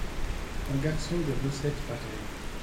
Un garçon de recette paraît.